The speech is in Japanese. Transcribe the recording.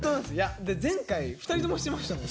前回２人とも知ってましたもんね。